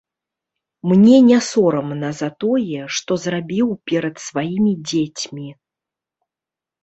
Мне не сорамна за тое, што зрабіў перад сваімі дзецьмі.